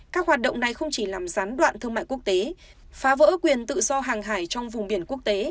các hoạt động này không chỉ làm gián đoạn thương mại quốc tế phá vỡ quyền tự do hàng hải trong vùng biển quốc tế